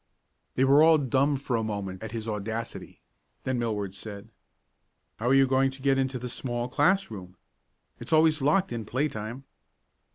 They were all dumb for a moment at his audacity. Then Millward said: "How are you going to get into the small class room? It's always locked in play time."